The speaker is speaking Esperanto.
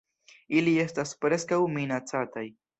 Ili estas Preskaŭ Minacataj.